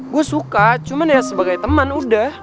gue suka cuman ya sebagai temen udah